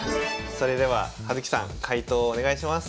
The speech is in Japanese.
それでは葉月さん解答お願いします。